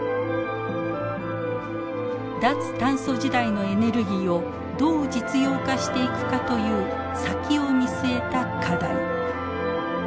脱炭素時代のエネルギーをどう実用化していくかという先を見据えた課題。